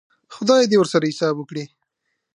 خدای دې ورسره حساب وکړي.